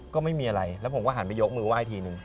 ก็ไม่มีอะไรแล้วผมก็หันไปยกมือไห้ทีนึง